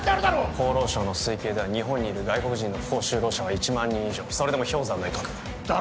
厚労省の推計では日本にいる外国人の不法就労者は１万人以上それでも氷山の一角だろ？